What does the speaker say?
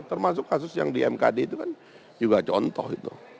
termasuk kasus yang di mkd itu kan juga contoh gitu